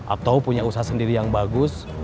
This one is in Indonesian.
atau punya usaha sendiri yang bagus